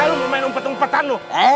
lu main umpet umpetan lu